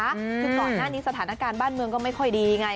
คือก่อนหน้านี้สถานการณ์บ้านเมืองก็ไม่ค่อยดีไง